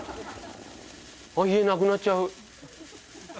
あっ家なくなっちゃう。